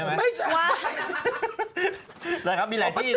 ไม่ใช่